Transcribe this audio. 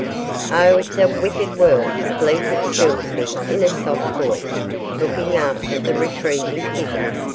'Oh, it's a wicked world,' bleated Spilsby, in a soft voice, looking after the retreating figure.